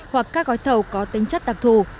hoặc các gói thầu có tính chất đặc thù